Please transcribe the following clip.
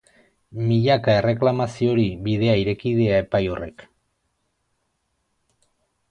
Milaka erreklamaziori bidea ireki die epai horrek.